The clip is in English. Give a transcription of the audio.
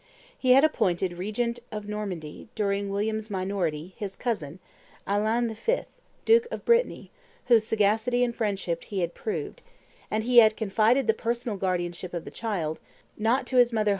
He had appointed regent of Normandy, during William's minority, his cousin, Alain V., duke of Brittany, whose sagacity and friendship he had proved; and he had confided the personal guardianship of the child, not to his mother.